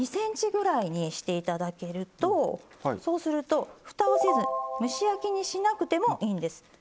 ２ｃｍぐらいにしていただけるとそうするとふたをせず蒸し焼きにしなくてもいいんです。